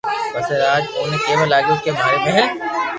پسي راج اوني ڪيوا لاگيو ڪي ماري مھل